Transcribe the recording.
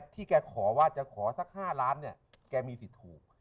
ที่แกขอว่าจะขอสัก๕ล้านเนี่ยแกมีสิทธิ์ถูก